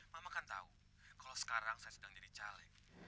mama kan tahu kalau sekarang saya sedang jadi caleg